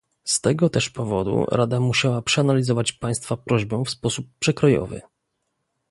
Z tego też powodu Rada musiała przeanalizować Państwa prośbę w sposób przekrojowy